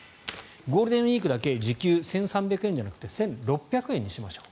ゴールデンウィークだけ時給１３００円じゃなくて１６００円にしましょう。